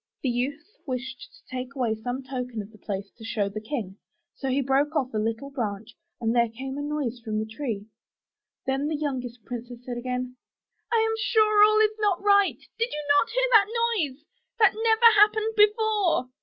The youth wished to take away some token of the place to show the King, so he broke off a little branch and there came a loud noise from the tree. Then the youngest princess said again, *T am sure all is not right — did not you hear that noise? That never happened before.'